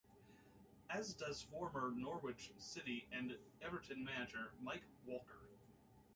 As does former Norwich City and Everton manager, Mike Walker.